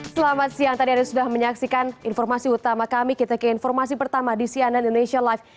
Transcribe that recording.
selamat siang tadi anda sudah menyaksikan informasi utama kami kita ke informasi pertama di cnn indonesia live